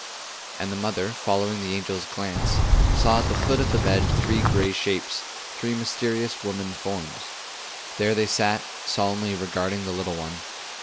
And the mother, following the angel's glance, saw at the foot of the bed three gray shapes, three mysterious woman forms. There they sat, solemnly regarding the little one.